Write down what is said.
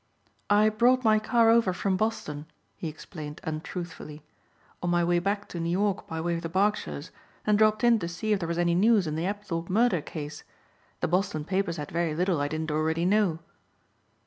"I brought my car over from Boston," he explained untruthfully, "on my way back to New York by way of the Berkshires and dropped in to see if there was any news in the Apthorpe murder case. The Boston papers had very little I didn't already know."